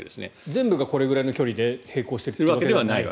全部がこれぐらいの距離で並行しているわけではないと。